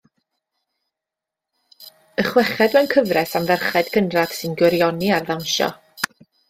Y chweched mewn cyfres am ferched cynradd sy'n gwirioni ar ddawnsio.